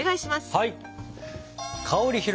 はい！